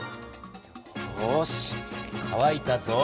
よしかわいたぞ！